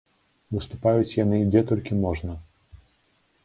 Выступаюць яны дзе толькі можна!